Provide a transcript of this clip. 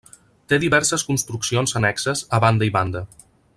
Té diverses construccions annexes a banda i banda.